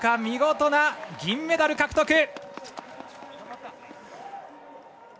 見事な銀メダル獲得。